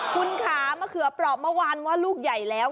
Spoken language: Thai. คุณค่ะมะเขือปรอบเมื่อวานว่าลูกใหญ่แล้ว